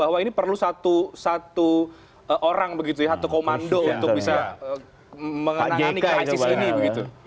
apakah ini perlu satu orang satu komando untuk bisa menangani kekhasis ini